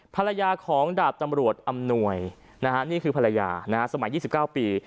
ภรรยาของดาบตำรวจอำนวยนี่คือภรรยาสมัย๒๙ปี